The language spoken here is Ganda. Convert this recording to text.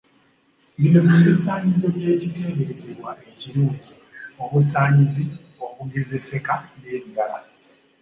Bino bye bisaanyizo by’Ekiteeberezebwa ekirungi; obusaanyizi, obugezeseka, n'ebirala.